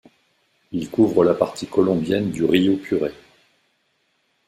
Il couvre la partie colombienne du río Puré.